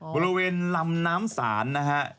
บริเวณลำน้ำศาลนะฮะ